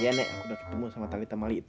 iya nek aku udah ketemu sama tali temali itu